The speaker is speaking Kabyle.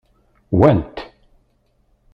Wwant.